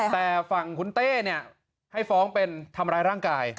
แต่ฝั่งคุณเต้เนี่ยให้ฟ้องเป็นทำร้ายร่างกาย